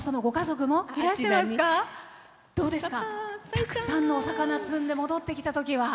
たくさんのお魚積んで戻ってきたときは。